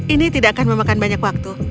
ini tidak akan memakan banyak waktu